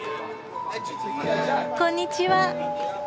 こんにちは。